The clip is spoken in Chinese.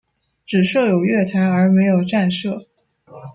只设有月台而没有站舍。